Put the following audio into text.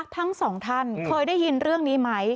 ทั้งสองท่านเคยได้ยินเรื่องนี้ไหม